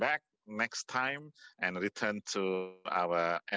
dan kembali ke